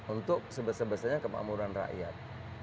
untuk sebesar besarnya kemakmuran rakyat